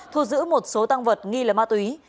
thu giữ một số tăng vật nghi là ma túy